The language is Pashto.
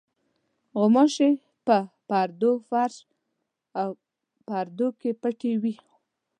غوماشې په پردو، فرش او پردو کې پټې وي.